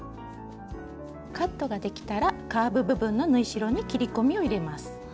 カットができたらカーブ部分の縫い代に切り込みを入れます。